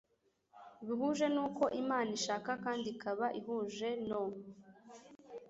buhuje n uko imana ishaka kandi ikaba ihuje no